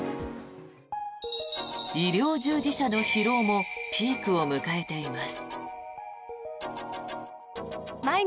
医療従事者の疲労もピークを迎えています。